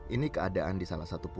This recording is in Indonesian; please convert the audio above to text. ini keadaan di salah satu pulau